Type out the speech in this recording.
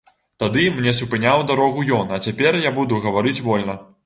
Тады мне супыняў дарогу ён, а цяпер я буду гаварыць вольна.